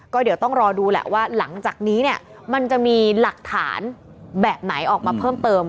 ก็เดี๋ยวต้องรอดูแหละว่าหลังจากนี้เนี่ยมันจะมีหลักฐานแบบไหนออกมาเพิ่มเติม